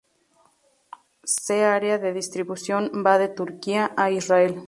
Se área de distribución va de Turquía a Israel.